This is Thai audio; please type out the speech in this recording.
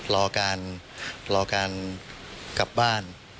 รอการกลับบ้าน